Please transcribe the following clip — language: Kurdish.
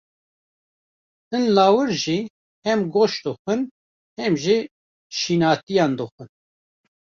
Hin lawir jî, hem goşt dixwin, hem jî şînatiyan dixwin.